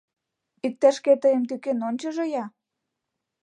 Иктаж-кӧ тыйым тӱкен ончыжо-я!